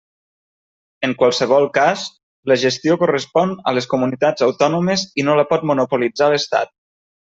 En qualsevol cas, la gestió correspon a les comunitats autònomes i no la pot monopolitzar l'Estat.